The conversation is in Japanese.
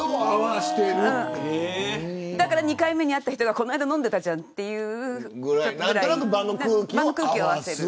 だから２回目に会った人がこの間、飲んでたじゃんと言う。